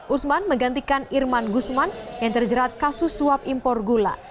usman menggantikan irman gusman yang terjerat kasus suap impor gula